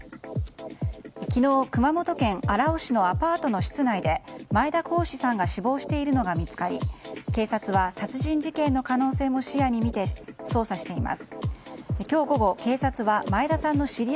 昨日、熊本県荒尾市のアパートの室内で前田好志さんが死亡しているのが見つかり警察は殺人事件の可能性も視野に入れて捜査しています。